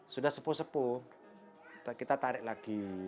sudah sepuh sepuh kita tarik lagi